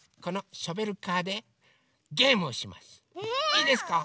いいですか？